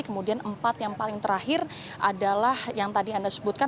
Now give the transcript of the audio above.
kemudian empat yang paling terakhir adalah yang tadi anda sebutkan